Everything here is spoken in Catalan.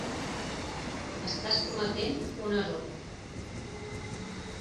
Estàs cometent un error.